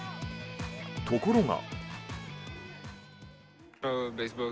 ところが。